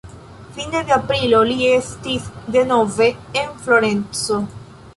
Fino de aprilo li estis denove en Florenco.